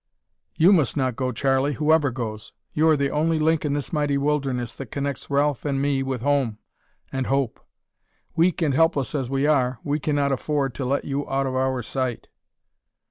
"You must not go, Charlie, whoever goes. You are the only link in this mighty wilderness, that connects Ralph and me with home and hope. Weak and helpless as we are, we cannot afford to let you out of our sight."